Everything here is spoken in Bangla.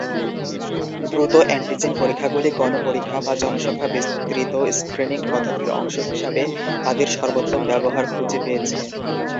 দ্রুত অ্যান্টিজেন পরীক্ষাগুলি গণ পরীক্ষা বা জনসংখ্যা বিস্তৃত স্ক্রিনিং পদ্ধতির অংশ হিসাবে তাদের সর্বোত্তম ব্যবহার খুঁজে পেয়েছে।